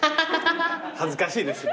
恥ずかしいですね。